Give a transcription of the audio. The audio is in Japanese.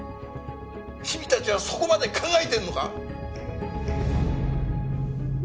君達はそこまで考えてんのか！？